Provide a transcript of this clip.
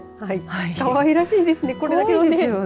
かわいらしいですね。